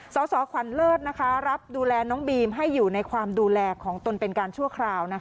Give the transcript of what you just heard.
สสขวัญเลิศรับดูแลน้องบีมให้อยู่ในความดูแลของตนเป็นการชั่วคราว